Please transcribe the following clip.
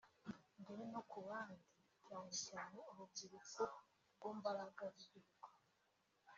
ngere no ku bandi cyane cyane urubyiruko rwo mbaraga z’igihugu”